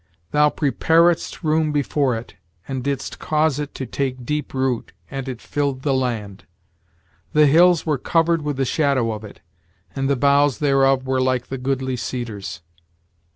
Thou preparedst room before it, and didst cause it to take deep root, and it filled the land. The hills were covered with the shadow of it, and the boughs thereof were like the goodly cedars.